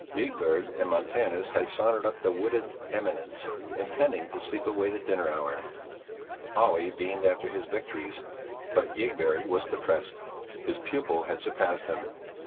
Ygberg and Montanus had sauntered up the wooded eminence, intending to sleep away the dinner hour; Olle beamed after his victories, but Ygberg was depressed; his pupil had surpassed him.